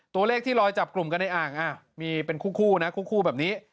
ตัวเลขที่ลอยจับกลุ่มกันในอ่างมีเป็นคู่นะคู่แบบนี้